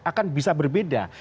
akan bisa berbeda